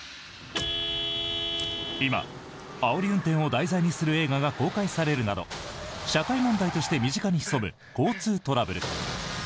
今、あおり運転を題材にする映画が公開されるなど社会問題として身近に潜む交通トラブル。